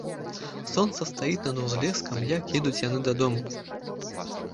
Сонца стаіць над узлескам, як едуць яны дадому.